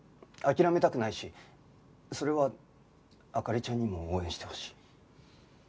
諦めたくないしそれは灯ちゃんにも応援してほしい。